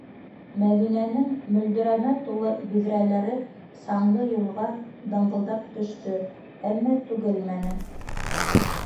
Мәҙинәнең мөлдөрәмә тулы биҙрәләре саңлы юлға дыңғылдап төштө, әммә түгелмәне.